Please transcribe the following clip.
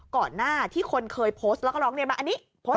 ก่อนหน้าที่คนเคยโพสต์แล้วก็ร้องเรียนมาอันนี้โพสต์